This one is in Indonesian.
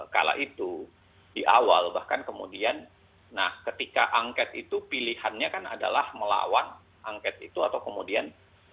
kala itu di awal bahkan kemudian nah ketika angket itu pilihannya kan adalah melawan angket itu atau kemudian